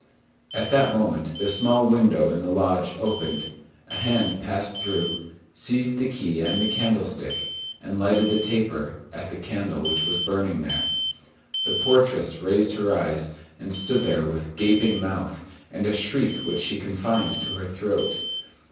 At that moment the small window in the lodge opened, a hand passed through, seized the key and the candlestick, and lighted the taper at the candle which was burning there. The portress raised her eyes, and stood there with gaping mouth, and a shriek which she confined to her throat.